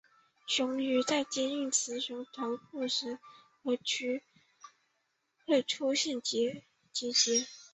雄鱼在接近雌鱼时头部和鳍上会出现结节。